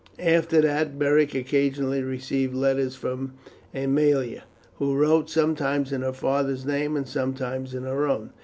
After that Beric occasionally received letters from Aemilia, who wrote sometimes in her father's name and sometimes in her own.